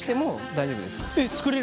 大丈夫です。